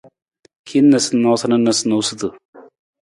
Hin noosanoosa na noosutu.